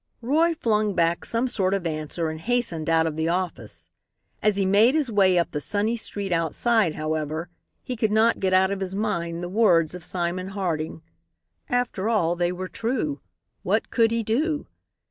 Roy flung back some sort of answer and hastened out of the office. As he made his way up the sunny street outside, however, he could not get out of his mind the words of Simon Harding. After all, they were true; "what could he do?"